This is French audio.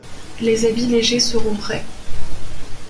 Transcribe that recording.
Les habits légers seront prêts.